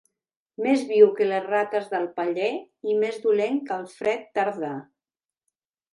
Més viu que les rates del paller i més dolent que el fred tardà.